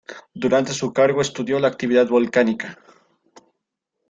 Durante su cargo estudió la actividad volcánica.